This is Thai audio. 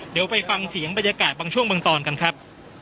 เดี๋ยวไปฟังเสียงบรรยากาศบางช่วงบางตอนกันครับ